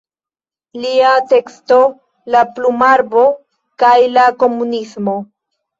Lia teksto "La plumarbo kaj la komunismo.